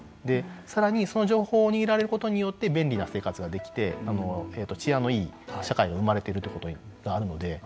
さらにその情報を握られることによって便利な生活ができて治安のいい社会が生まれているということがあるので。